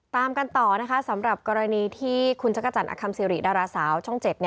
ตามกันต่อนะคะสำหรับกรณีที่คุณจักรจันทร์อคัมซิริดาราสาวช่อง๗